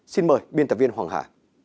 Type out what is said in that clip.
xin mời biên tập viên hoàng hà